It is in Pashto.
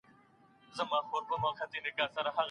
پخوا هم اسلام د انسان پلورل نه دي تایید کړي.